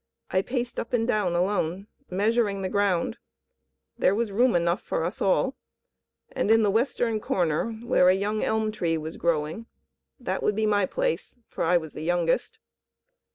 I paced up and down alone, measuring the ground; there was room enough for us all; and in the western corner where a young elm tree was growing, that would be my place, for I was the youngest.